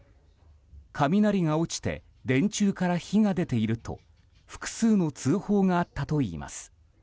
雷が落ちて電柱から火が出ていると複数の通報があったといいます。